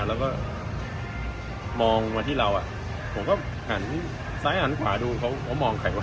แล้วก็มองมาที่เราผมก็หันซ้ายหันขวาดูเขามองใส่รถ